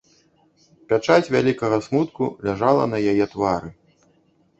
Пячаць вялікага смутку ляжала на яе твары.